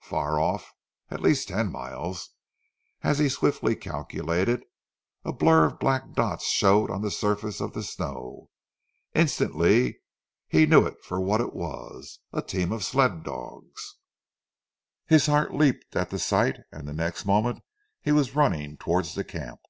Far off, at least ten miles, as he swiftly calculated, a blur of black dots showed on the surface of the snow. Instantly he knew it for what it was a team of sled dogs. His heart leaped at the sight, and the next moment he was running towards the camp.